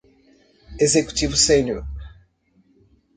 Executivo sênior